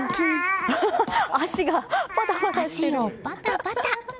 足をバタバタ。